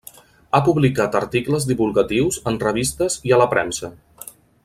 Ha publicat articles divulgatius en revistes i a la premsa.